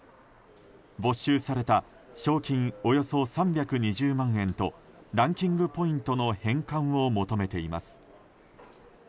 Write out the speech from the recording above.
没収された賞金およそ３２０万円とランキングポイントの返還を求めています。